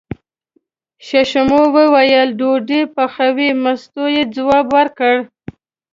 ششمو وویل: ډوډۍ پخوې، مستو یې ځواب ورکړ.